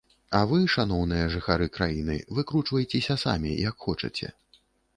А вы, шаноўныя жыхары краіны, выкручвайцеся самі, як хочаце.